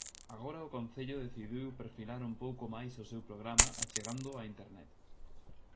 Agora, o concello decidiu perfilar un pouco máis o seu programa achegándoo á Internet.